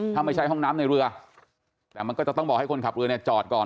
ถ้าไม่ใช่ห้องน้ำในเรือแต่มันก็จะต้องบอกให้คนขับเรือเนี่ยจอดก่อน